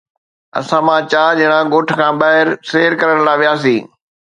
اسان مان چار ڄڻا ڳوٺ کان ٻاهر سير ڪرڻ لاءِ وياسين